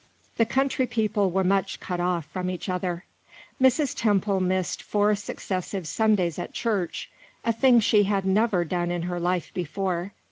The country people were much cut off from each other. Mrs. Temple missed four successive Sundays at church a thing she had never done in her life before.